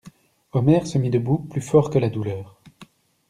Omer se mit debout, plus fort que la douleur.